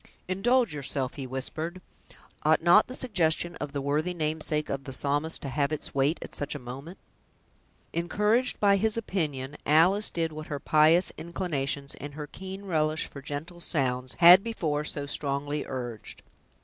"Indulge yourself," he whispered; "ought not the suggestion of the worthy namesake of the Psalmist to have its weight at such a moment?" Encouraged by his opinion, Alice did what her pious inclinations, and her keen relish for gentle sounds, had before so strongly urged.